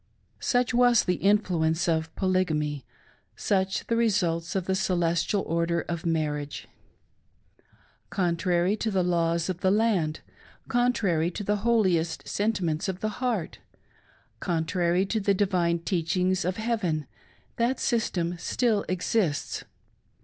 Such was the influ 622 THE TELL TALE WITNESS TO THE T&tTTH. • ence of Polygainy — such the resmltrs of the "Celestial Order of Marriage !" Contrary to the laws of the land ; contsrary to the holiest sentiments of the heart ; contrary to the divine teachings of Heaven, that system still 'exists